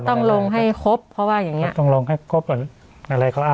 มันต้องลงให้ครบเพราะว่าอย่างนี้มันต้องลงให้ครบอะไรเขาอ่าน